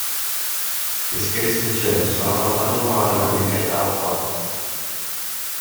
Тескерисинче, сурагандардын баарына бекер таратып атабыз.